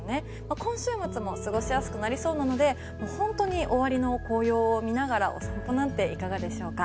今週末も過ごしやすくなりそうなので本当に終わりの紅葉を見ながらお散歩なんていかがでしょうか。